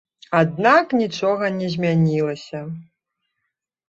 Аднак нічога не змянілася.